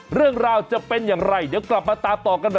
เรื่องราวจะเป็นอย่างไรเดี๋ยวกลับมาตามต่อกันแบบ